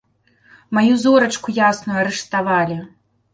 Маю зорачку ясную арыштавалі.